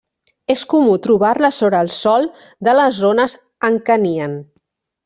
És comú trobar-les sobre el sòl de les zones en què nien.